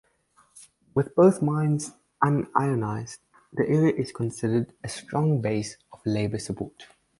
With both mines unionized, the area is considered a strong base of labour support.